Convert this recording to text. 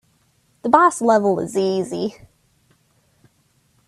The boss level is easy.